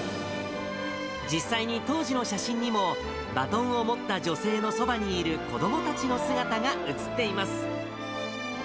実際に当時の写真にも、バトンを持った女性のそばにいる子どもたちの姿が写っています。